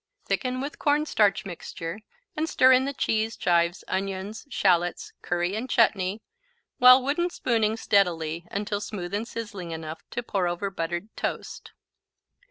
Thicken with cornstarch mixture and stir in the cheese, chives, onions, shallots, curry and chutney while wooden spooning steadily until smooth and sizzling enough to pour over buttered toast.